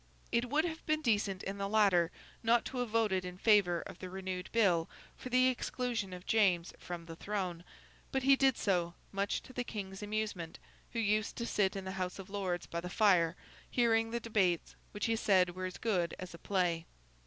It would have been decent in the latter not to have voted in favour of the renewed bill for the exclusion of James from the throne; but he did so, much to the King's amusement, who used to sit in the House of Lords by the fire, hearing the debates, which he said were as good as a play.